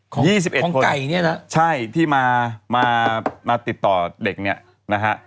๒๑ของไก่เนี่ยนะใช่ที่มามาติดต่อเด็กเนี่ยนะฮะ